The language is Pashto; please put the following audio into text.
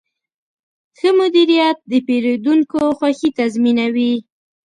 ښه مدیریت د پیرودونکو خوښي تضمینوي.